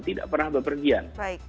tidak pernah berpergian